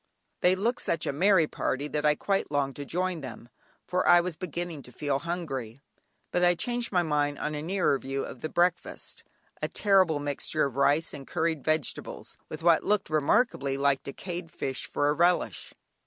They looked such a merry party that I quite longed to join them, for I was beginning to feel hungry, but I changed my mind on a nearer view of the breakfast, a terrible mixture of rice and curried vegetables, with what looked remarkably like decayed fish for a relish.